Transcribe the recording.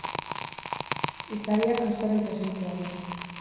Izadiak kristoren presentzia du.